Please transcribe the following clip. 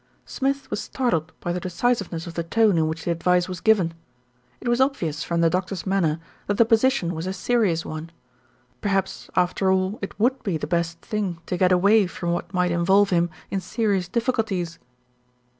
Smith was startled by the decisiveness of the tone in which the advice was given. It was obvious from the doctor's manner that the position was a serious one. Perhaps, after all, it would be the best thing to get away from what might involve him in serious diffi culties.